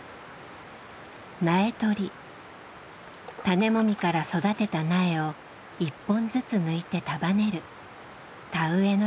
種もみから育てた苗を１本ずつ抜いて束ねる田植えの準備。